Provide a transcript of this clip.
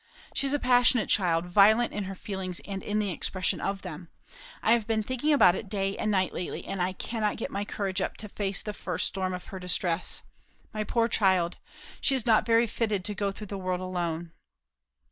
She is a passionate child; violent in her feelings and in the expression of them. I have been thinking about it day and night lately, and I cannot get my courage up to face the first storm of her distress. My poor child! she is not very fitted to go through the world alone."